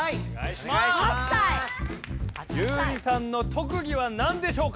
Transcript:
ユウリさんの特技はなんでしょうか？